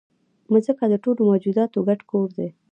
مځکه د ټولو موجوداتو ګډ کور دی.